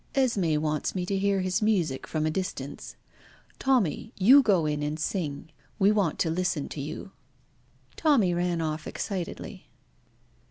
"Esmé wants me to hear his music from a distance. Tommy, you go in and sing. We want to listen to you." Tommy ran off excitedly.